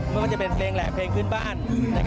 ไม่ว่าจะเป็นเพลงแหละเพลงพื้นบ้าน